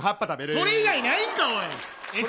それ以外ないんかい、おい。